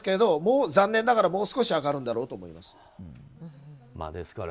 残念ながらもう少し上がるだろうと思います。